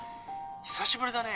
久しぶりだね。